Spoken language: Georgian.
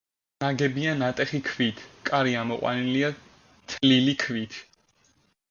ნაგებია ნატეხი ქვით, კარი ამოყვანილია თლილი ქვით.